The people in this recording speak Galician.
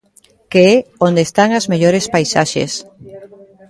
Que é onde están as mellores paisaxes.